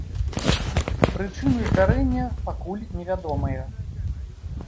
Прычыны здарэння пакуль невядомыя.